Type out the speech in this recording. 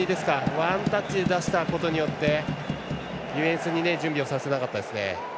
ワンタッチで出したことによってディフェンスに準備をさせませんでしたね。